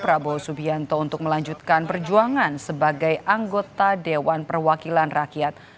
prabowo subianto untuk melanjutkan perjuangan sebagai anggota dewan perwakilan rakyat